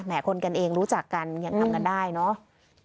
คนกันเองรู้จักกันยังทำกันได้เนาะ